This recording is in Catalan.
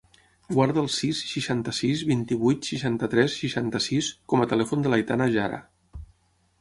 Guarda el sis, seixanta-sis, vint-i-vuit, seixanta-tres, seixanta-sis com a telèfon de l'Aitana Jara.